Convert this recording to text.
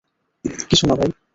কিছু না ভাই।